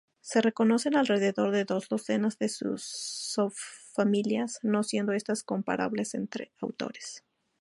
Se reconocen alrededor de dos docenas de subfamilias, no siendo estas comparables entre autores.